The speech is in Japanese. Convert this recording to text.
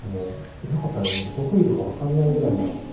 いなかったらどこいるか分かんないぐらいな。